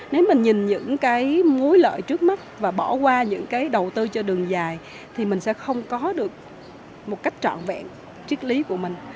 nếu mình nhìn những cái mối lợi trước mắt và bỏ qua những cái đầu tư cho đường dài thì mình sẽ không có được một cách trọn vẹn triết lý của mình